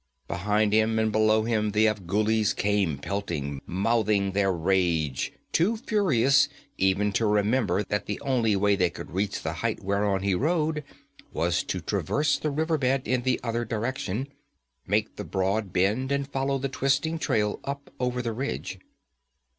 Behind him and below him the Afghulis came pelting, mouthing their rage, too furious even to remember that the only way they could reach the height whereon he rode was to traverse the river bed in the other direction, make the broad bend and follow the twisting trail up over the ridge.